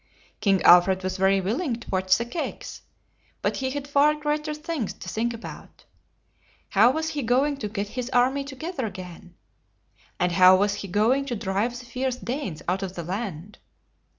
King Alfred was very willing to watch the cakes, but he had far greater things to think about. How was he going to get his army to geth er again? And how was he going to drive the fierce Danes out of the land?